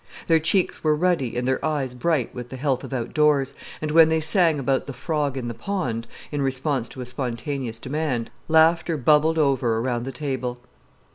Their cheeks were ruddy and their eyes bright with the health of outdoors, and when they sang about the "Frog in the Pond," in response to a spontaneous demand, laughter bubbled over around the table.